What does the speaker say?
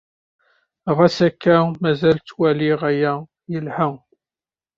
Ɣas akka, mazal ttwaliɣ aya yelha.